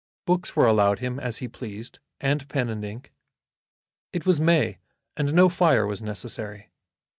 Books were allowed him as he pleased, and pen and ink. It was May, and no fire was necessary.